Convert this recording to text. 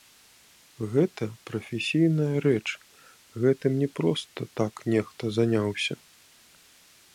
Гэта прафесійная рэч, гэтым не проста так нехта заняўся.